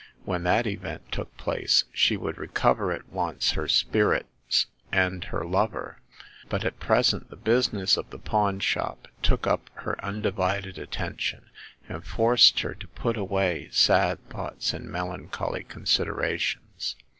When that event took place she would jrecover at once her spirits and her lover ; but at present the business of the pawn shop took up her undivided attention, and forced her to put away sad thoughts and melancholy considera tions.